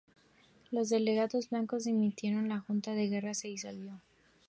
Los delegados blancos dimitieron y la Junta de Guerra se disolvió.